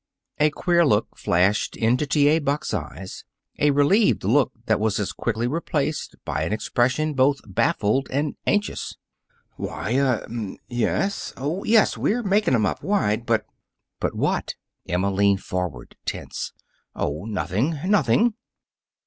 A queer look flashed into T. A. Buck's eyes a relieved look that was as quickly replaced by an expression both baffled and anxious. "Why a mmmm yes oh, yes, we're making 'em up wide, but " "But what?" Emma leaned forward, tense. "Oh, nothing nothing."